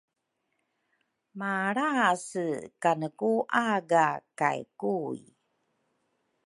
malrase kane ku aga kay Kui.